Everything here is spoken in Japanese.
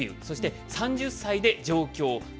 そして３０歳で上京。